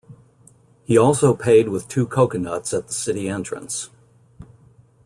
He also paid with two coconuts at the city entrance.